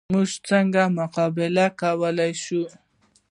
موږ څنګه مقابله کولی شو؟